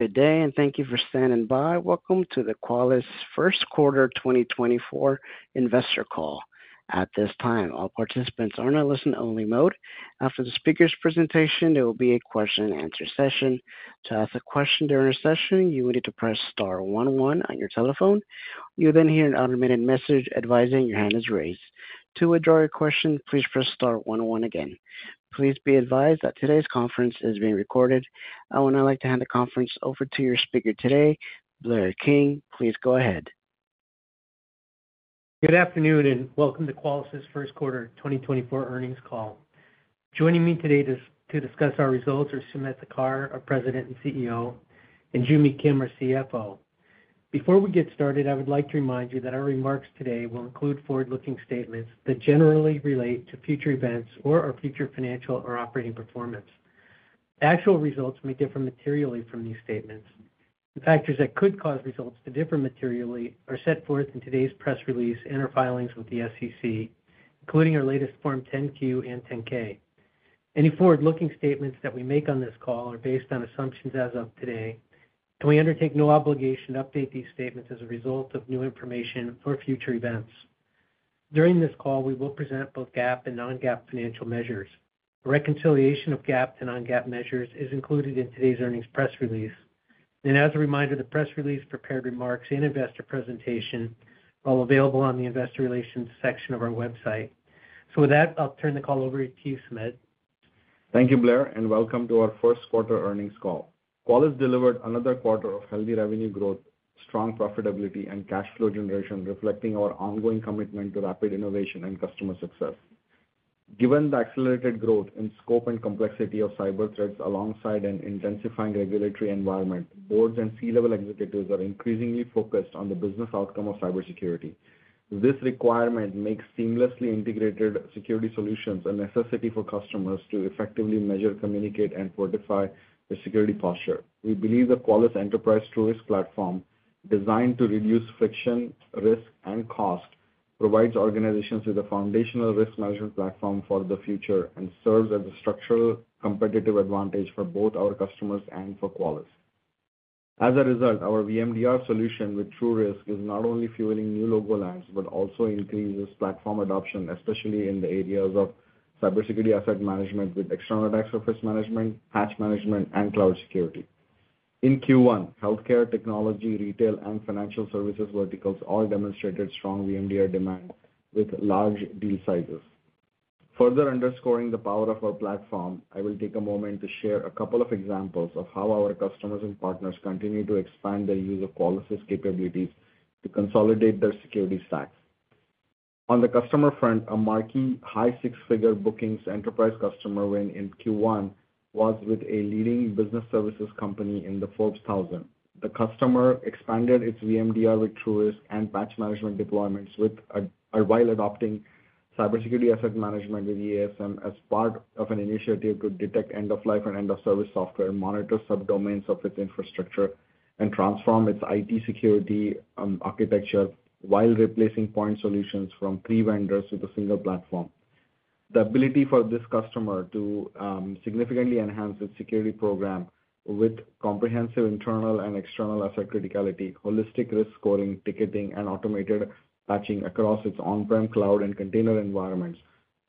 Good day, and thank you for standing by. Welcome to the Qualys First Quarter 2024 investor call. At this time, all participants are in a listen-only mode. After the speaker's presentation, there will be a question-and-answer session. To ask a question during our session, you will need to press star one one on your telephone. You'll then hear an automated message advising your hand is raised. To withdraw your question, please press star one one again. Please be advised that today's conference is being recorded. I would now like to hand the conference over to your speaker today, Blair King. Please go ahead. Good afternoon and welcome to Qualys's First Quarter 2024 earnings call. Joining me today to discuss our results are Sumedh Thakar, our President and CEO, and Joo Mi Kim, our CFO. Before we get started, I would like to remind you that our remarks today will include forward-looking statements that generally relate to future events or our future financial or operating performance. Actual results may differ materially from these statements. The factors that could cause results to differ materially are set forth in today's press release and our filings with the SEC, including our latest Form 10-Q and 10-K. Any forward-looking statements that we make on this call are based on assumptions as of today, and we undertake no obligation to update these statements as a result of new information or future events. During this call, we will present both GAAP and non-GAAP financial measures. A reconciliation of GAAP to non-GAAP measures is included in today's earnings press release. As a reminder, the press release prepared remarks and investor presentation are all available on the Investor Relations section of our website. With that, I'll turn the call over to you, Sumedh. Thank you, Blair, and welcome to our First Quarter earnings call. Qualys delivered another quarter of healthy revenue growth, strong profitability, and cash flow generation, reflecting our ongoing commitment to rapid innovation and customer success. Given the accelerated growth in scope and complexity of cyber threats alongside an intensifying regulatory environment, boards and C-level executives are increasingly focused on the business outcome of cybersecurity. This requirement makes seamlessly integrated security solutions a necessity for customers to effectively measure, communicate, and fortify their security posture. We believe the Qualys Enterprise TruRisk Platform, designed to reduce friction, risk, and cost, provides organizations with a foundational risk management platform for the future and serves as a structural competitive advantage for both our customers and for Qualys. As a result, our VMDR solution with TruRisk is not only fueling new logo lands but also increases platform adoption, especially in the areas of CyberSecurity Asset Management with External Attack Surface Management, Patch Management, and Cloud Security. In Q1, healthcare, technology, retail, and financial services verticals all demonstrated strong VMDR demand with large deal sizes. Further underscoring the power of our platform, I will take a moment to share a couple of examples of how our customers and partners continue to expand their use of Qualys's capabilities to consolidate their security stacks. On the customer front, a marquee high-six-figure bookings enterprise customer win in Q1 was with a leading business services company in the Forbes 1000. The customer expanded its VMDR with TruRisk and Patch Management deployments while adopting CyberSecurity Asset Management with EASM as part of an initiative to detect end-of-life and end-of-service software, monitor subdomains of its infrastructure, and transform its IT security architecture while replacing point solutions from three vendors with a single platform. The ability for this customer to significantly enhance its security program with comprehensive internal and external asset criticality, holistic risk scoring, ticketing, and automated patching across its on-prem cloud and container environments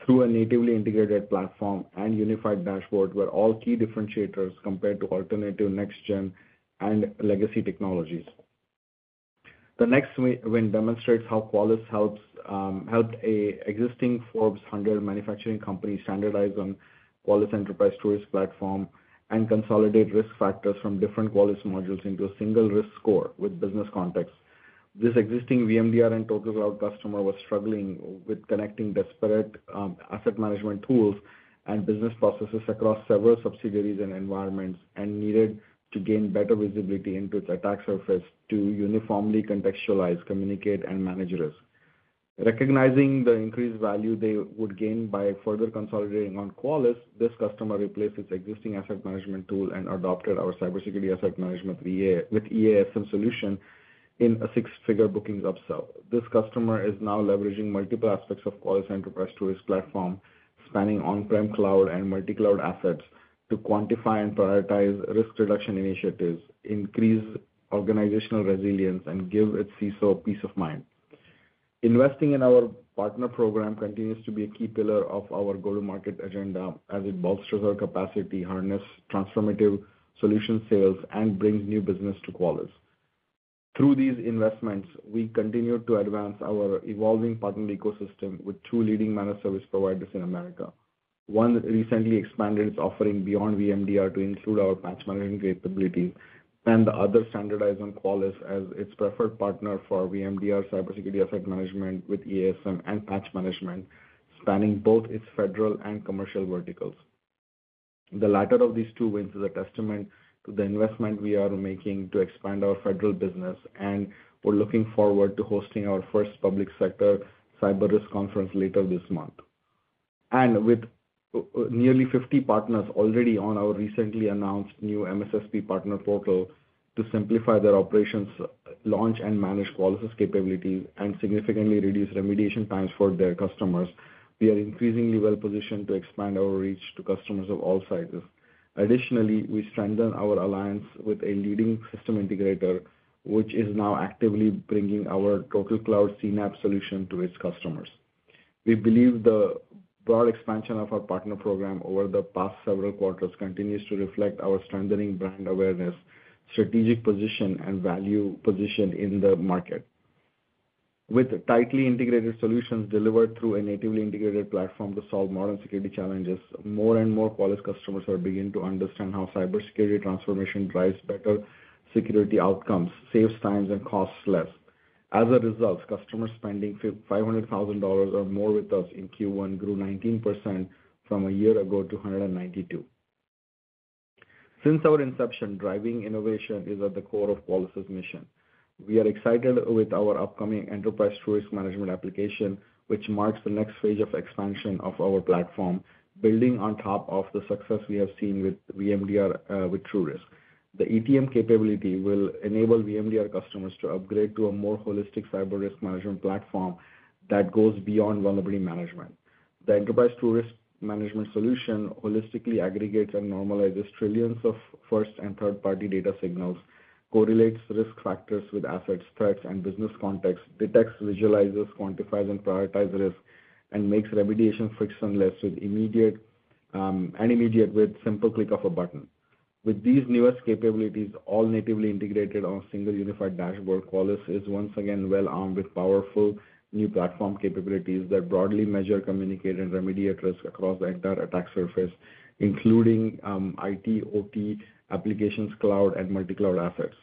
through a natively integrated platform and unified dashboard were all key differentiators compared to alternative next-gen and legacy technologies. The next win demonstrates how Qualys helped an existing Forbes 100 manufacturing company standardize on Qualys Enterprise TruRisk Platform and consolidate risk factors from different Qualys modules into a single risk score with business context. This existing VMDR and TotalCloud customer was struggling with connecting disparate asset management tools and business processes across several subsidiaries and environments and needed to gain better visibility into its attack surface to uniformly contextualize, communicate, and manage risk. Recognizing the increased value they would gain by further consolidating on Qualys, this customer replaced its existing asset management tool and adopted our CyberSecurity Asset Management with EASM solution in a six-figure bookings upsell. This customer is now leveraging multiple aspects of Qualys Enterprise TruRisk Platform, spanning on-prem cloud and multi-cloud assets, to quantify and prioritize risk reduction initiatives, increase organizational resilience, and give its CISO peace of mind. Investing in our partner program continues to be a key pillar of our go-to-market agenda as it bolsters our capacity, harnesses transformative solution sales, and brings new business to Qualys. Through these investments, we continue to advance our evolving partner ecosystem with two leading managed service providers in America. One recently expanded its offering beyond VMDR to include our Patch Management capabilities, and the other standardized on Qualys as its preferred partner for VMDR CyberSecurity Asset Management with EASM and Patch Management, spanning both its federal and commercial verticals. The latter of these two wins is a testament to the investment we are making to expand our federal business, and we're looking forward to hosting our first public sector cyber risk conference later this month. With nearly 50 partners already on our recently announced new MSSP Partner Portal to simplify their operations, launch and manage Qualys's capabilities, and significantly reduce remediation times for their customers, we are increasingly well-positioned to expand our reach to customers of all sizes. Additionally, we strengthen our alliance with a leading system integrator, which is now actively bringing our TotalCloud CNAPP solution to its customers. We believe the broad expansion of our partner program over the past several quarters continues to reflect our strengthening brand awareness, strategic position, and value position in the market. With tightly integrated solutions delivered through a natively integrated platform to solve modern security challenges, more and more Qualys customers are beginning to understand how cybersecurity transformation drives better security outcomes, saves time, and costs less. As a result, customers spending $500,000 or more with us in Q1 grew 19% from a year ago to 192. Since our inception, driving innovation is at the core of Qualys's mission. We are excited with our upcoming Enterprise TruRisk Management application, which marks the next phase of expansion of our platform, building on top of the success we have seen with VMDR with TruRisk. The ETM capability will enable VMDR customers to upgrade to a more holistic cyber risk management platform that goes beyond Vulnerability Management. The Enterprise TruRisk Management solution holistically aggregates and normalizes trillions of first and third-party data signals, correlates risk factors with assets, threats, and business contexts, detects, visualizes, quantifies, and prioritizes risk, and makes remediation frictionless and immediate with a simple click of a button. With these newest capabilities, all natively integrated on a single unified dashboard, Qualys is once again well-armed with powerful new platform capabilities that broadly measure, communicate, and remediate risk across the entire attack surface, including IT, OT, applications, cloud, and multi-cloud assets.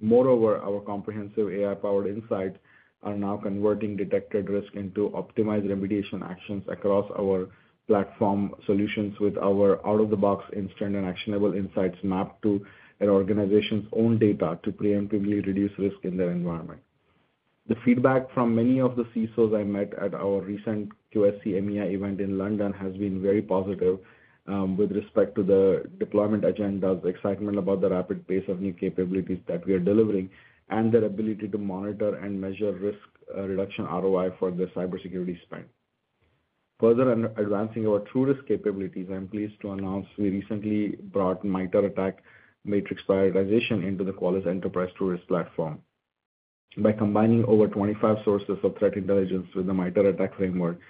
Moreover, our comprehensive AI-powered insights are now converting detected risk into optimized remediation actions across our platform solutions with our out-of-the-box instant and actionable insights mapped to an organization's own data to preemptively reduce risk in their environment. The feedback from many of the CISOs I met at our recent QSC EMEA event in London has been very positive with respect to the deployment agendas, excitement about the rapid pace of new capabilities that we are delivering, and their ability to monitor and measure risk reduction ROI for their cybersecurity spend. Further advancing our TruRisk capabilities, I'm pleased to announce we recently brought MITRE ATT&CK MATRIX prioritization into the Qualys Enterprise TruRisk platform. By combining over 25 sources of threat intelligence with the MITRE ATT&CK framework,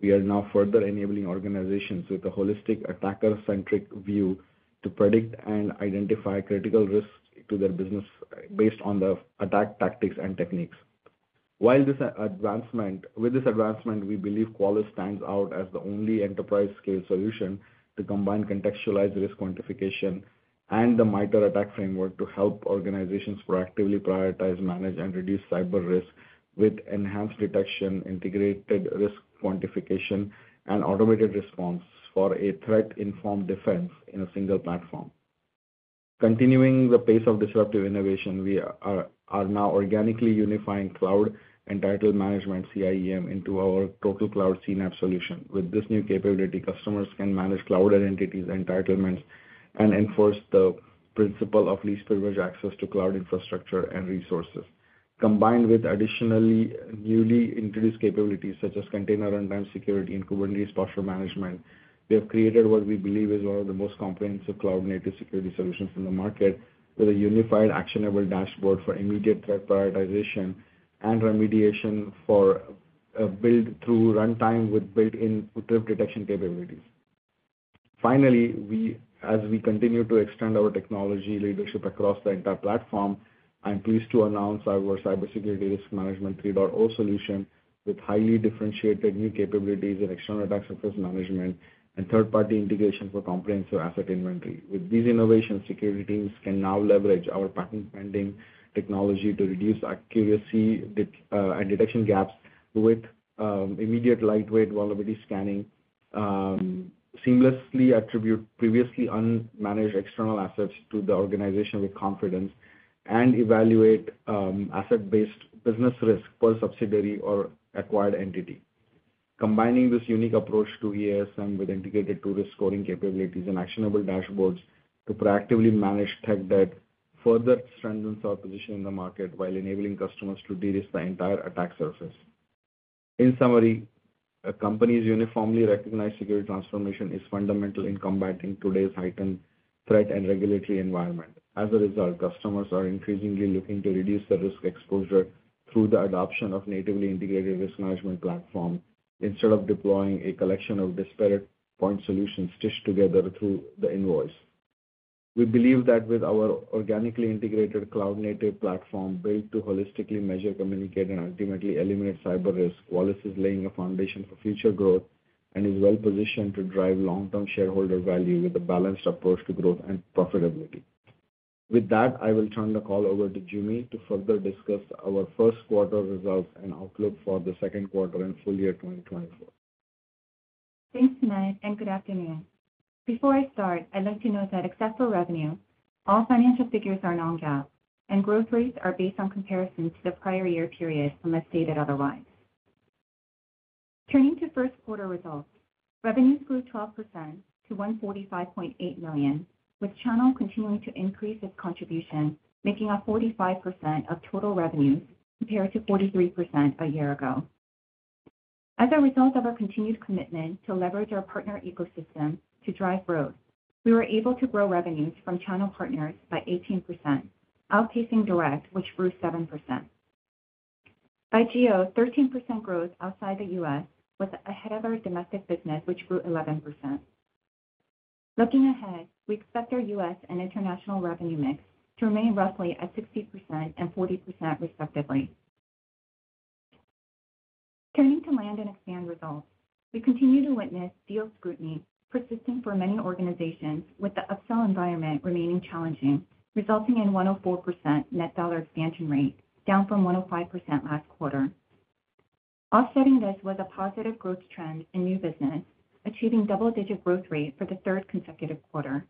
we are now further enabling organizations with a holistic attacker-centric view to predict and identify critical risks to their business based on the attack tactics and techniques. With this advancement, we believe Qualys stands out as the only enterprise-scale solution to combine contextualized risk quantification and the MITRE ATT&CK framework to help organizations proactively prioritize, manage, and reduce cyber risk with enhanced detection, integrated risk quantification, and automated response for a threat-informed defense in a single platform. Continuing the pace of disruptive innovation, we are now organically unifying Cloud Entitlement Management, CIEM, into our TotalCloud CNAPP solution. With this new capability, customers can manage cloud identities and entitlements and enforce the principle of least privilege access to cloud infrastructure and resources. Combined with additionally newly introduced capabilities such as container runtime security and Kubernetes posture management, we have created what we believe is one of the most comprehensive cloud-native security solutions in the market with a unified actionable dashboard for immediate threat prioritization and remediation through runtime with built-in drift detection capabilities. Finally, as we continue to extend our technology leadership across the entire platform, I'm pleased to announce our Cybersecurity Risk Management 3.0 solution with highly differentiated new capabilities in External Attack Surface Management and third-party integration for comprehensive asset inventory. With these innovations, security teams can now leverage our patent-pending technology to reduce accuracy and detection gaps with immediate lightweight vulnerability scanning, seamlessly attribute previously unmanaged external assets to the organization with confidence, and evaluate asset-based business risk per subsidiary or acquired entity. Combining this unique approach to EASM with integrated TruRisk scoring capabilities and actionable dashboards to proactively manage tech debt further strengthens our position in the market while enabling customers to de-risk the entire attack surface. In summary, a company's uniformly recognized security transformation is fundamental in combating today's heightened threat and regulatory environment. As a result, customers are increasingly looking to reduce the risk exposure through the adoption of natively integrated risk management platforms instead of deploying a collection of disparate point solutions stitched together through integrations. We believe that with our organically integrated cloud-native platform built to holistically measure, communicate, and ultimately eliminate cyber risk, Qualys is laying a foundation for future growth and is well-positioned to drive long-term shareholder value with a balanced approach to growth and profitability. With that, I will turn the call over to Joo Mi Kim to further discuss our first quarter results and outlook for the second quarter and full year 2024. Thanks Sumedh and good afternoon. Before I start, I'd like to note that except for revenue, all financial figures are non-GAAP, and growth rates are based on comparison to the prior year period unless stated otherwise. Turning to first quarter results, revenues grew 12% to $145.8 million, with Channel continuing to increase its contribution, making up 45% of total revenues compared to 43% a year ago. As a result of our continued commitment to leverage our partner ecosystem to drive growth, we were able to grow revenues from Channel partners by 18%, outpacing Direct, which grew 7%. By geo, 13% growth outside the US was ahead of our domestic business, which grew 11%. Looking ahead, we expect our U.S. and international revenue mix to remain roughly at 60% and 40%, respectively. Turning to land and expand results, we continue to witness deal scrutiny persisting for many organizations, with the upsell environment remaining challenging, resulting in a 104% net dollar expansion rate, down from 105% last quarter. Offsetting this was a positive growth trend in new business, achieving a double-digit growth rate for the third consecutive quarter.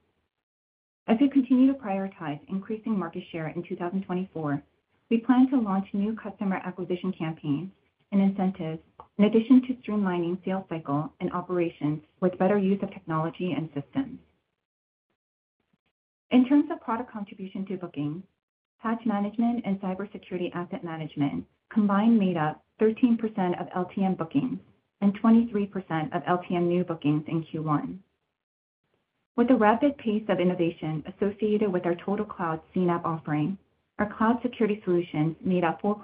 As we continue to prioritize increasing market share in 2024, we plan to launch new customer acquisition campaigns and incentives in addition to streamlining the sales cycle and operations with better use of technology and systems. In terms of product contribution to bookings, Patch Management and CyberSecurity Asset Management combined made up 13% of LTM bookings and 23% of LTM new bookings in Q1. With the rapid pace of innovation associated with our TotalCloud CNAPP offering, our cloud security solutions made up 4%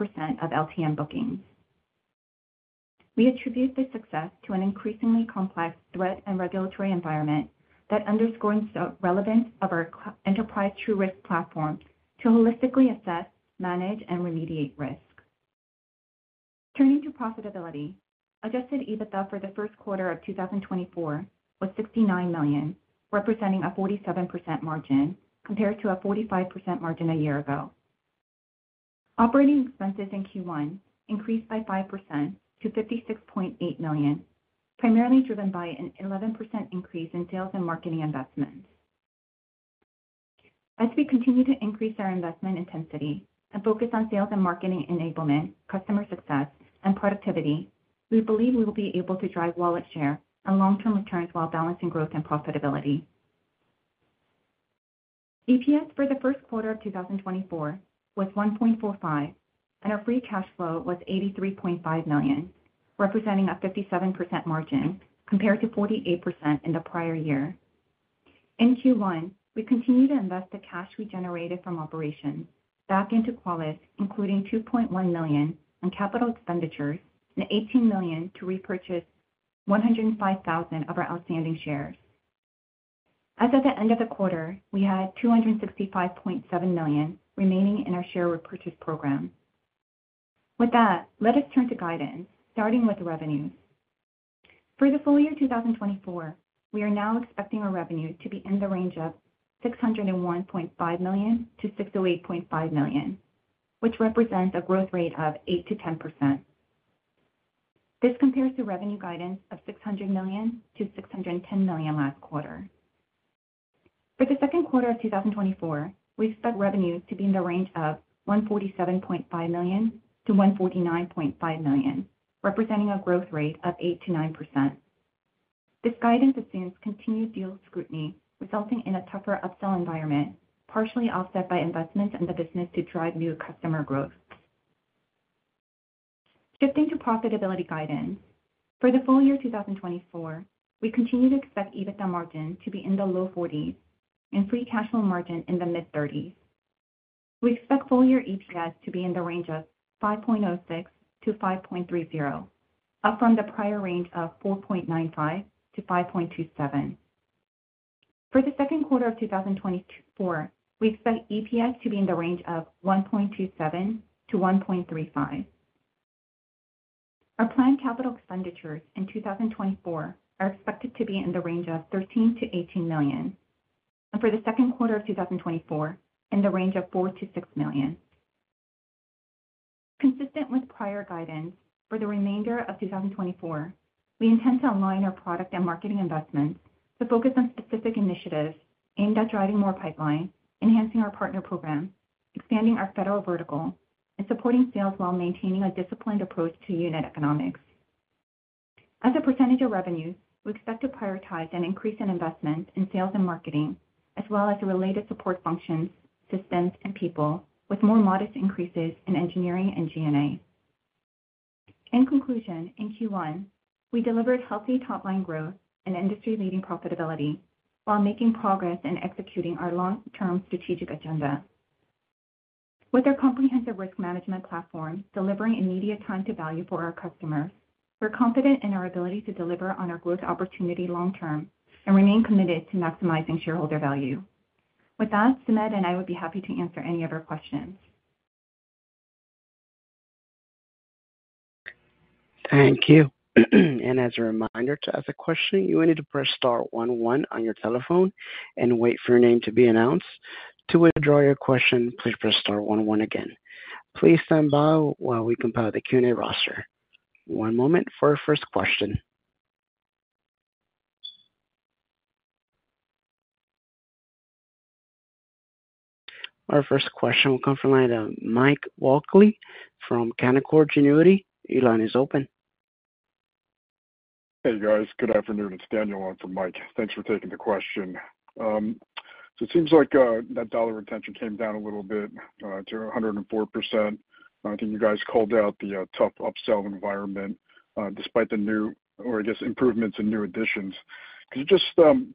of LTM bookings. We attribute this success to an increasingly complex threat and regulatory environment that underscores the relevance of our Enterprise TruRisk Platform to holistically assess, manage, and remediate risk. Turning to profitability, adjusted EBITDA for the first quarter of 2024 was $69 million, representing a 47% margin compared to a 45% margin a year ago. Operating expenses in Q1 increased by 5% to $56.8 million, primarily driven by an 11% increase in sales and marketing investments. As we continue to increase our investment intensity and focus on sales and marketing enablement, customer success, and productivity, we believe we will be able to drive wallet share and long-term returns while balancing growth and profitability. EPS for the first quarter of 2024 was $1.45, and our free cash flow was $83.5 million, representing a 57% margin compared to 48% in the prior year. In Q1, we continue to invest the cash we generated from operations back into Qualys, including $2.1 million in capital expenditures and $18 million to repurchase 105,000 of our outstanding shares. As at the end of the quarter, we had $265.7 million remaining in our share repurchase program. With that, let us turn to guidance, starting with revenues. For the full year 2024, we are now expecting our revenues to be in the range of $601.5 million-$608.5 million, which represents a growth rate of 8%-10%. This compares to revenue guidance of $600 million-$610 million last quarter. For the second quarter of 2024, we expect revenues to be in the range of $147.5 million-$149.5 million, representing a growth rate of 8%-9%. This guidance assumes continued deal scrutiny, resulting in a tougher upsell environment, partially offset by investments in the business to drive new customer growth. Shifting to profitability guidance, for the full year 2024, we continue to expect EBITDA margin to be in the low 40s and free cash flow margin in the mid-30s. We expect full-year EPS to be in the range of 5.06-5.30, up from the prior range of 4.95-5.27. For the second quarter of 2024, we expect EPS to be in the range of 1.27-1.35. Our planned capital expenditures in 2024 are expected to be in the range of $13-18 million, and for the second quarter of 2024, in the range of $4-6 million. Consistent with prior guidance, for the remainder of 2024, we intend to align our product and marketing investments to focus on specific initiatives aimed at driving more pipeline, enhancing our partner programs, expanding our federal vertical, and supporting sales while maintaining a disciplined approach to unit economics. As a percentage of revenues, we expect to prioritize an increase in investments in sales and marketing, as well as related support functions, systems, and people, with more modest increases in engineering and G&A. In conclusion, in Q1, we delivered healthy top-line growth and industry-leading profitability while making progress in executing our long-term strategic agenda. With our comprehensive risk management platform delivering immediate time-to-value for our customers, we're confident in our ability to deliver on our growth opportunity long-term and remain committed to maximizing shareholder value. With that, Sumedh and I would be happy to answer any other questions. Thank you. And as a reminder to ask a question, you will need to press star one one on your telephone and wait for your name to be announced. To withdraw your question, please press star one one again. Please stand by while we compile the Q&A roster. One moment for our first question. Our first question will come from Mike Walkley from Canaccord Genuity. Your line is open. Hey, guys. Good afternoon. It's Daniel on for Mike. Thanks for taking the question. So it seems like that dollar retention came down a little bit to 104%. I think you guys called out the tough upsell environment despite the new or, I guess, improvements and new additions. Could you just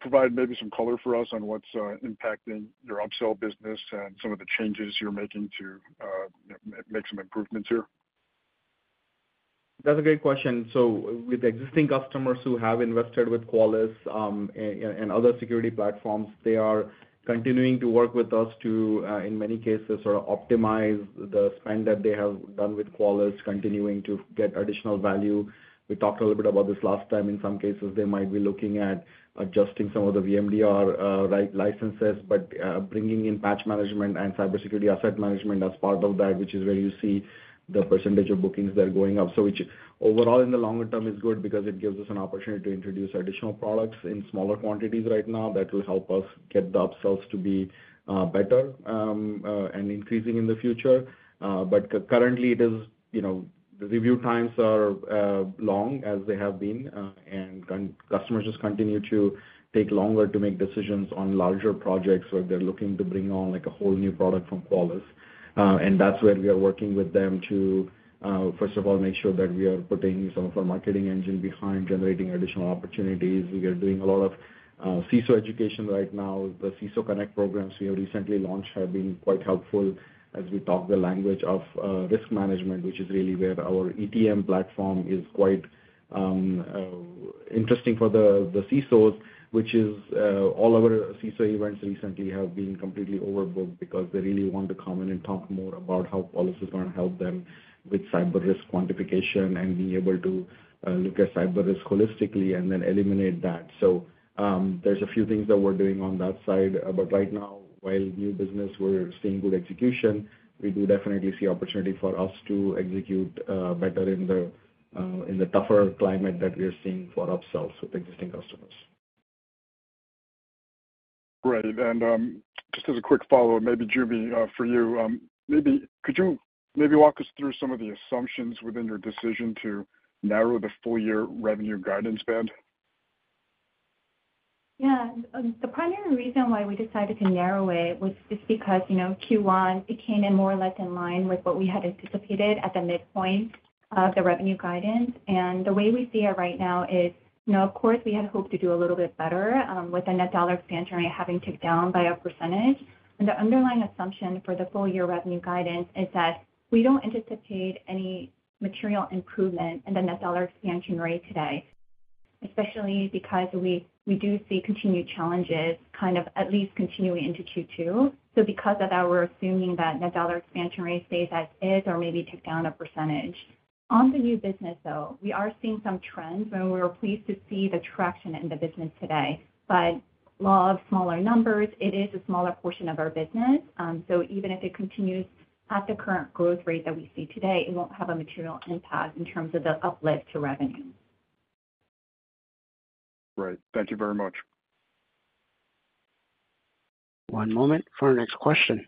provide maybe some color for us on what's impacting your upsell business and some of the changes you're making to make some improvements here? That's a great question. So with existing customers who have invested with Qualys and other security platforms, they are continuing to work with us to, in many cases, sort of optimize the spend that they have done with Qualys, continuing to get additional value. We talked a little bit about this last time. In some cases, they might be looking at adjusting some of the VMDR licenses, but bringing in Patch Management and CyberSecurity Asset Management as part of that, which is where you see the percentage of bookings that are going up. So which, overall, in the longer term, is good because it gives us an opportunity to introduce additional products in smaller quantities right now that will help us get the upsells to be better and increasing in the future. But currently, the review times are long as they have been, and customers just continue to take longer to make decisions on larger projects where they're looking to bring on a whole new product from Qualys. And that's where we are working with them to, first of all, make sure that we are putting some of our marketing engine behind generating additional opportunities. We are doing a lot of CISO education right now. The CISO Connect programs we have recently launched have been quite helpful as we talk the language of risk management, which is really where our ETM platform is quite interesting for the CISOs, which is all our CISO events recently have been completely overbooked because they really want to come in and talk more about how Qualys is going to help them with cyber risk quantification and being able to look at cyber risk holistically and then eliminate that. So there's a few things that we're doing on that side. But right now, while new business, we're seeing good execution. We do definitely see opportunity for us to execute better in the tougher climate that we are seeing for upsells with existing customers. Great. Just as a quick follow-up, maybe, Joo Mi, for you, could you maybe walk us through some of the assumptions within your decision to narrow the full-year revenue guidance band? Yeah. The primary reason why we decided to narrow it was just because Q1, it came in more or less in line with what we had anticipated at the midpoint of the revenue guidance. And the way we see it right now is, of course, we had hoped to do a little bit better with the Net Dollar Expansion Rate having ticked down by a percentage. And the underlying assumption for the full-year revenue guidance is that we don't anticipate any material improvement in the Net Dollar Expansion Rate today, especially because we do see continued challenges kind of at least continuing into Q2. So because of that, we're assuming that Net Dollar Expansion Rate stays as is or maybe ticked down a percentage. On the new business, though, we are seeing some trends, and we were pleased to see the traction in the business today. But law of small numbers, it is a smaller portion of our business. So even if it continues at the current growth rate that we see today, it won't have a material impact in terms of the uplift to revenue. Great thank you very much. One moment for our next question.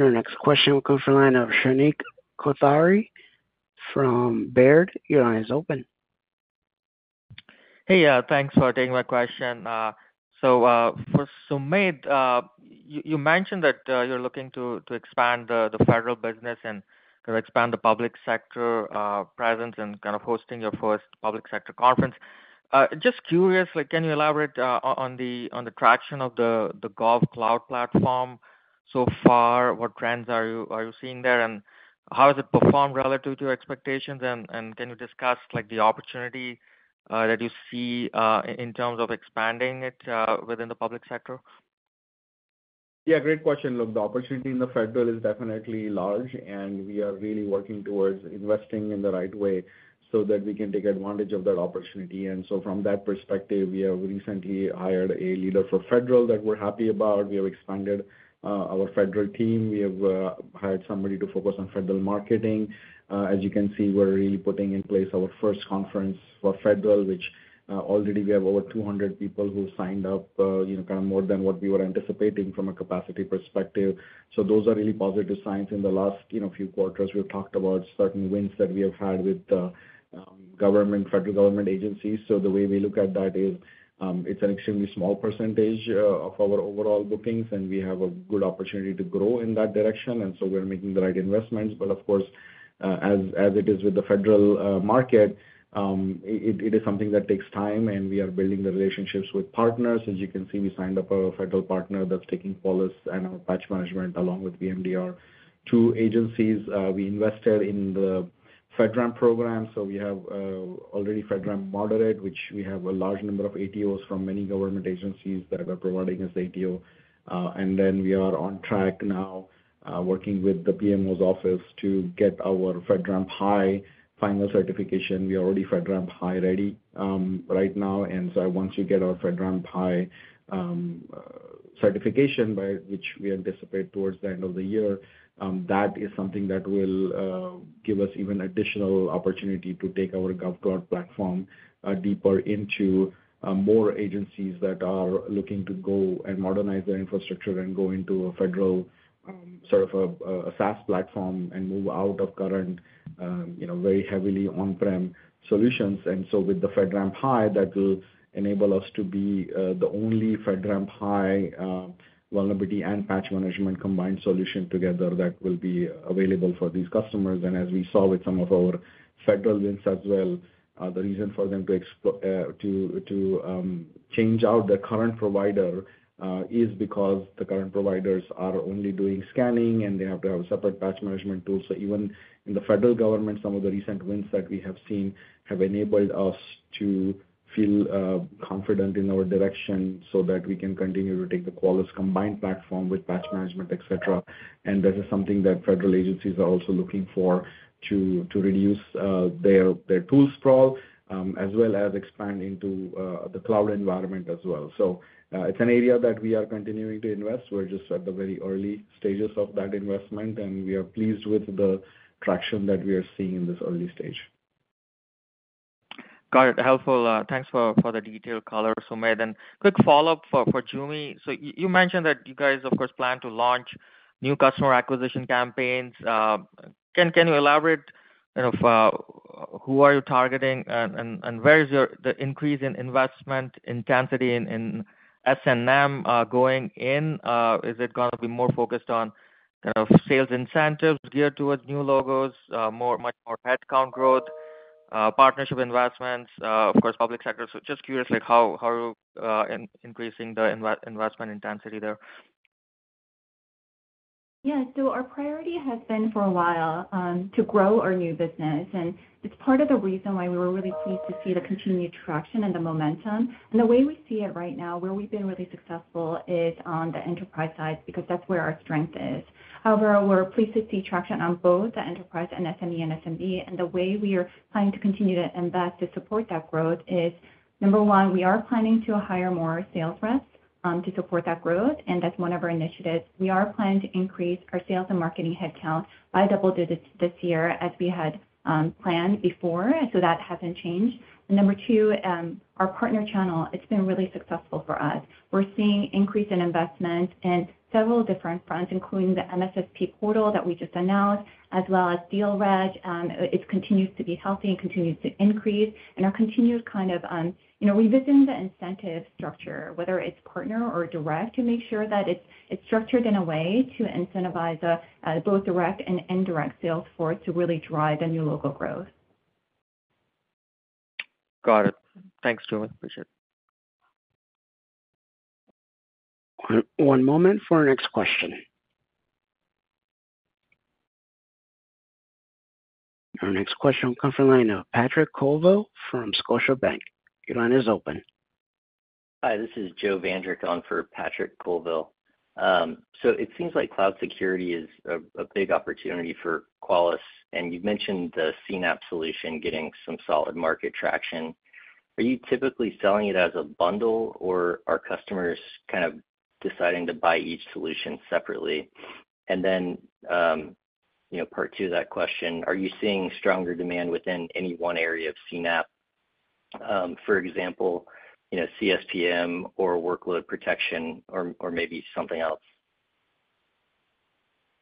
Our next question will come from the line of Shrenik Kothari from Baird. Your line is open. Hey, thanks for taking my question. So for Sumedh, you mentioned that you're looking to expand the federal business and kind of expand the public sector presence and kind of hosting your first public sector conference. Just curious, can you elaborate on the traction of the GovCloud platform so far? What trends are you seeing there, and how has it performed relative to your expectations? And can you discuss the opportunity that you see in terms of expanding it within the public sector? Yeah, great question. Look, the opportunity in the federal is definitely large, and we are really working towards investing in the right way so that we can take advantage of that opportunity. And so from that perspective, we have recently hired a leader for federal that we're happy about. We have expanded our federal team. We have hired somebody to focus on federal marketing. As you can see, we're really putting in place our first conference for federal, which already we have over 200 people who signed up, kind of more than what we were anticipating from a capacity perspective. So those are really positive signs. In the last few quarters, we've talked about certain wins that we have had with federal government agencies. The way we look at that is it's an extremely small percentage of our overall bookings, and we have a good opportunity to grow in that direction. We're making the right investments. Of course, as it is with the federal market, it is something that takes time, and we are building the relationships with partners. As you can see, we signed up a federal partner that's taking Qualys and our Patch Management along with VMDR to agencies. We invested in the FedRAMP program. We have already FedRAMP Moderate, which we have a large number of ATOs from many government agencies that are providing us ATO. Then we are on track now working with the PMO's office to get our FedRAMP High final certification. We are already FedRAMP High ready right now. Once we get our FedRAMP High certification, by which we anticipate towards the end of the year, that is something that will give us even additional opportunity to take our GovCloud platform deeper into more agencies that are looking to go and modernize their infrastructure and go into a federal sort of a SaaS platform and move out of current very heavily on-prem solutions. With the FedRAMP High, that will enable us to be the only FedRAMP High vulnerability and Patch Management combined solution together that will be available for these customers. As we saw with some of our federal wins as well, the reason for them to change out their current provider is because the current providers are only doing scanning, and they have to have a separate Patch Management tool. So even in the federal government, some of the recent wins that we have seen have enabled us to feel confident in our direction so that we can continue to take the Qualys combined platform with Patch Management, etc. That is something that federal agencies are also looking for to reduce their tool sprawl as well as expand into the cloud environment as well. It's an area that we are continuing to invest. We're just at the very early stages of that investment, and we are pleased with the traction that we are seeing in this early stage. Got it. Helpful. Thanks for the detailed color, Sumedh. And quick follow-up for Joo Mi. So you mentioned that you guys, of course, plan to launch new customer acquisition campaigns. Can you elaborate kind of who are you targeting, and where is the increase in investment intensity in S&M going in? Is it going to be more focused on kind of sales incentives geared towards new logos, much more headcount growth, partnership investments, of course, public sector? So just curious, how are you increasing the investment intensity there? Yeah. So our priority has been for a while to grow our new business. And it's part of the reason why we were really pleased to see the continued traction and the momentum. And the way we see it right now, where we've been really successful is on the enterprise side because that's where our strength is. However, we're pleased to see traction on both the enterprise and SME and SMB. And the way we are planning to continue to invest to support that growth is, number one, we are planning to hire more sales reps to support that growth. And that's one of our initiatives. We are planning to increase our sales and marketing headcount by double digits this year as we had planned before. So that hasn't changed. And number two, our partner channel, it's been really successful for us. We're seeing an increase in investment in several different fronts, including the MSSP portal that we just announced, as well as deal reg. It continues to be healthy and continues to increase. And our continued kind of revision of the incentive structure, whether it's partner or direct, to make sure that it's structured in a way to incentivize both direct and indirect sales force to really drive the new logo growth. Got it. Thanks, Joo Mi. Appreciate it. One moment for our next question. Our next question will come from the line of Patrick Colville from Scotiabank. Your line is open. Hi this is Joe Vandrick on for Patrick Colville. It seems like cloud security is a big opportunity for Qualys. You've mentioned the CNAPP solution getting some solid market traction. Are you typically selling it as a bundle, or are customers kind of deciding to buy each solution separately? And then part two of that question, are you seeing stronger demand within any one area of CNAPP, for example, CSPM or workload protection or maybe something else?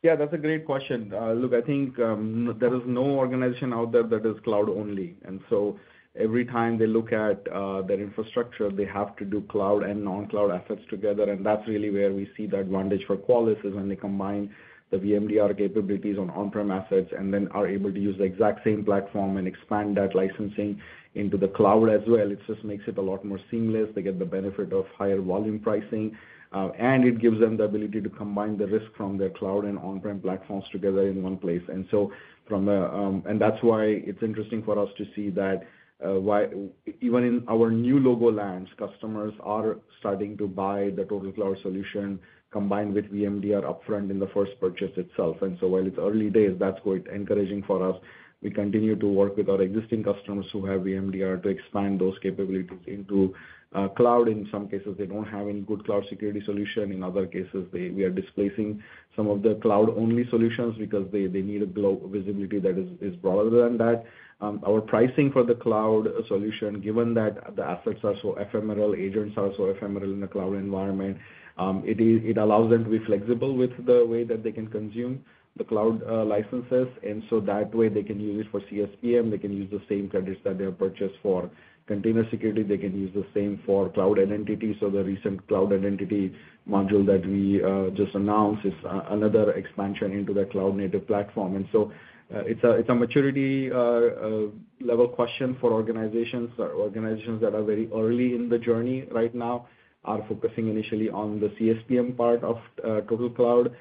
Yeah, that's a great question. Look, I think there is no organization out there that is cloud-only. And so every time they look at their infrastructure, they have to do cloud and non-cloud assets together. And that's really where we see the advantage for Qualys is when they combine the VMDR capabilities on on-prem assets and then are able to use the exact same platform and expand that licensing into the cloud as well. It just makes it a lot more seamless. They get the benefit of higher volume pricing, and it gives them the ability to combine the risk from their cloud and on-prem platforms together in one place. And that's why it's interesting for us to see that even in our new logo lands, customers are starting to buy the TotalCloud solution combined with VMDR upfront in the first purchase itself. And so while it's early days, that's quite encouraging for us. We continue to work with our existing customers who have VMDR to expand those capabilities into cloud. In some cases, they don't have any good cloud security solution. In other cases, we are displacing some of the cloud-only solutions because they need a global visibility that is broader than that. Our pricing for the cloud solution, given that the assets are so ephemeral, agents are so ephemeral in the cloud environment, it allows them to be flexible with the way that they can consume the cloud licenses. And so that way, they can use it for CSPM. They can use the same credits that they have purchased for container security. They can use the same for cloud identity. So the recent cloud identity module that we just announced is another expansion into the cloud-native platform. And so it's a maturity-level question for organizations. Organizations that are very early in the journey right now are focusing initially on the CSPM part of TotalCloud.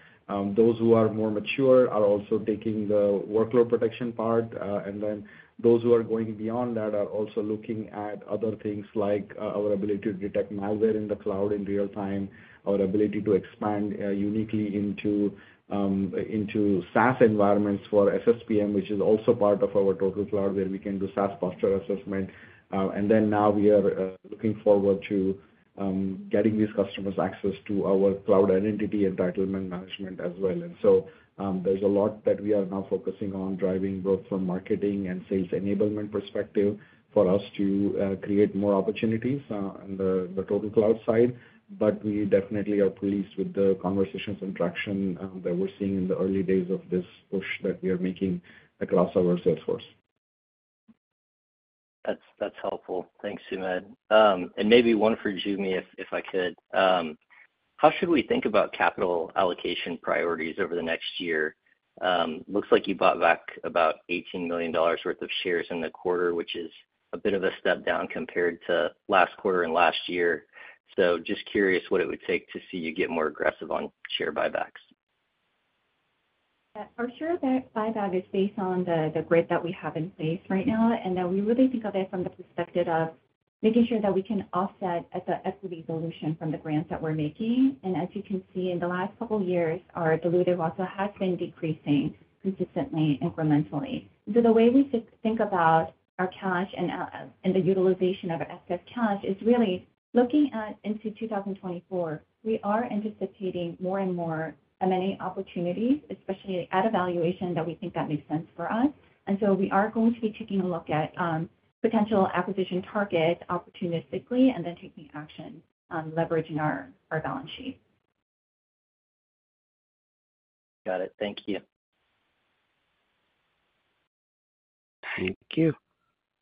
Those who are more mature are also taking the workload protection part. And then those who are going beyond that are also looking at other things like our ability to detect malware in the cloud in real time, our ability to expand uniquely into SaaS environments for SSPM, which is also part of our TotalCloud where we can do SaaS posture assessment. And then now we are looking forward to getting these customers access to our Cloud Identity Entitlement Management as well. And so there's a lot that we are now focusing on driving both from marketing and sales enablement perspective for us to create more opportunities on the TotalCloud side. But we definitely are pleased with the conversations and traction that we're seeing in the early days of this push that we are making across our sales force. That's helpful. Thanks, Sumedh. And maybe one for Joo Mi, if I could. How should we think about capital allocation priorities over the next year? Looks like you bought back about $18 million worth of shares in the quarter, which is a bit of a step down compared to last quarter and last year. So just curious what it would take to see you get more aggressive on share buybacks. Our share buyback is based on the grid that we have in place right now. And then we really think of it from the perspective of making sure that we can offset the equity dilution from the grants that we're making. And as you can see, in the last couple of years, our dilutive also has been decreasing consistently, incrementally. And so the way we think about our cash and the utilization of our excess cash is really looking into 2024. We are anticipating more and more of many opportunities, especially at evaluation, that we think that makes sense for us. And so we are going to be taking a look at potential acquisition targets opportunistically and then taking action, leveraging our balance sheet. Got it thank you. Thank you.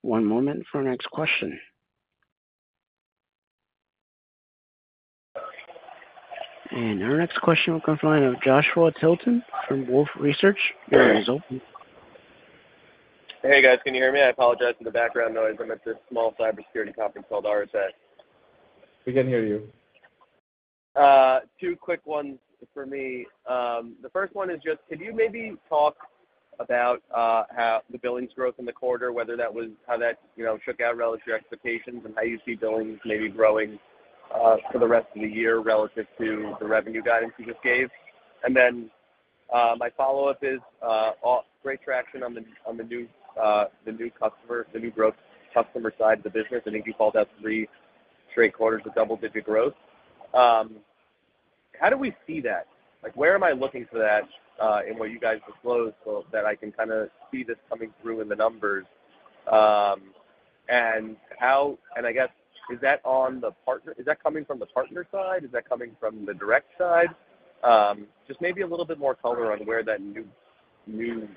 One moment for our next question, and our next question will come from the line of Joshua Tilton from Wolfe Research your line is open. Hey guys can you hear me? I apologize for the background noise. I'm at this small cybersecurity conference called RSA. We can hear you. Two quick ones for me. The first one is just, could you maybe talk about the billings growth in the quarter, whether that was how that shook out relative to your expectations and how you see billings maybe growing for the rest of the year relative to the revenue guidance you just gave? And then my follow-up is, great traction on the new growth customer side of the business. I think you called out three straight quarters of double-digit growth. How do we see that? Where am I looking for that in what you guys disclosed so that I can kind of see this coming through in the numbers? And I guess, is that on the partner side? Is that coming from the partner side? Is that coming from the direct side? Just maybe a little bit more color on where that new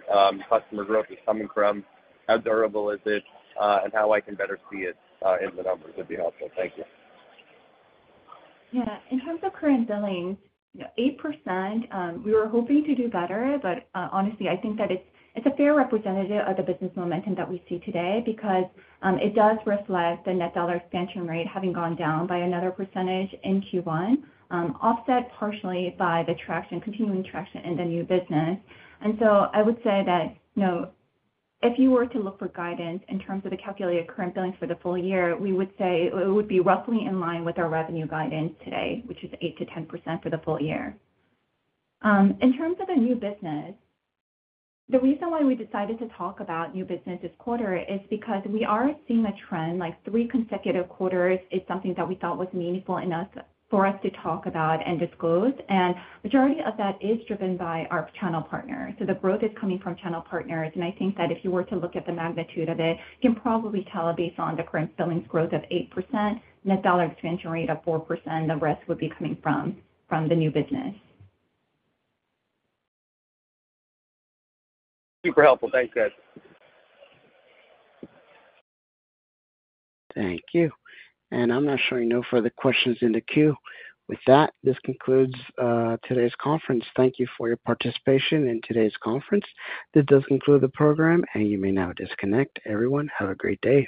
customer growth is coming from. How durable is it, and how I can better see it in the numbers would be helpful. Thank you. Yeah in terms of current billings, 8%. We were hoping to do better, but honestly, I think that it's a fair representative of the business momentum that we see today because it does reflect the net dollar expansion rate having gone down by another percentage in Q1, offset partially by the continuing traction in the new business. And so I would say that if you were to look for guidance in terms of the calculated current billings for the full year, we would say it would be roughly in line with our revenue guidance today, which is 8%-10% for the full year. In terms of the new business, the reason why we decided to talk about new business this quarter is because we are seeing a trend. Three consecutive quarters is something that we thought was meaningful enough for us to talk about and disclose. And the majority of that is driven by our channel partners. So the growth is coming from channel partners. And I think that if you were to look at the magnitude of it, you can probably tell based on the current billings growth of 8%, Net Dollar Expansion Rate of 4%, the rest would be coming from the new business. Super helpful thanks guys. Thank you. I'm not sure I know further questions in the queue. With that, this concludes today's conference. Thank you for your participation in today's conference. This does conclude the program, and you may now disconnect. Everyone, have a great day.